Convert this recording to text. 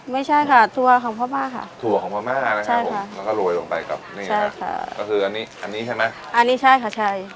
ไม่ใช่ค่ะถั่วของพม่าค่ะถั่วของพม่านะครับผมแล้วก็โรยลงไปกับนี่ไงก็คืออันนี้อันนี้ใช่ไหมอันนี้ใช่ค่ะใช่